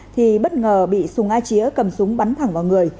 thì bất ngờ bị sùng a chía cầm súng bắn thẳng vào người